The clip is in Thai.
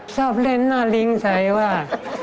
ชอบเล่นหน้าลิงใช่ไว้